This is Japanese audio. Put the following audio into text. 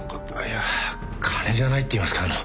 いや金じゃないっていいますかあの。